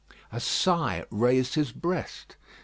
A sigh raised his breast.